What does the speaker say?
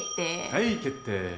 はい決定。